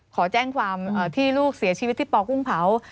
ขอแจ้งความที่ลูกเสียชีวิตที่ปกุ้งเผา